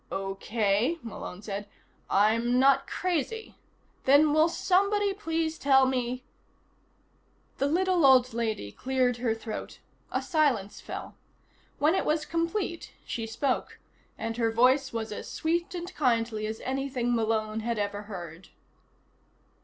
"Okay," Malone said. "I'm not crazy. Then will somebody please tell me " The little old lady cleared her throat. A silence fell. When it was complete she spoke, and her voice was as sweet and kindly as anything Malone had ever heard.